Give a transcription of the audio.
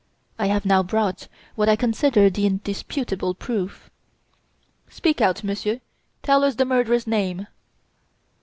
I have now brought what I consider the indisputable proof." "Speak out, Monsieur! Tell us the murderer's name."